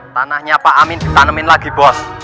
tanahnya pak amin ditanemin lagi bos